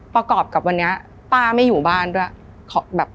ประกอบกับวันนี้ป้าไม่อยู่บ้านด้วย